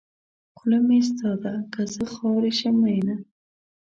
خوله مې ستا ده که زه خاورې شم مینه.